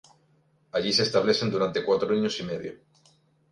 Allí se establecen durante cuatro años y medio.